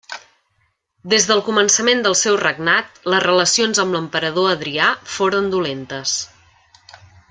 Des del començament del seu regnant les relacions amb l'emperador Adrià foren dolentes.